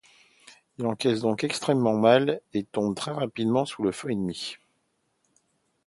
Ils encaissent donc extrêmement mal et tombent très rapidement sous le feu ennemi.